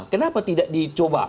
kenapa tidak dicoba